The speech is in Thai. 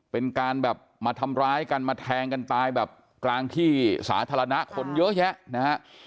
เป็นการแบบมาทำร้ายกันมาแทงกันตายแบบกลางที่สาธารณะคนเยอะแยะนะฮะ